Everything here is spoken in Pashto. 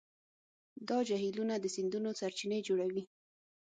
دا جهیلونه د سیندونو سرچینې جوړوي.